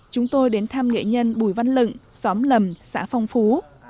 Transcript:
chúng tôi đến thăm nghệ nhân bùi văn lựng xóm lầm xã phong phú